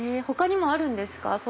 他にもあるんですか？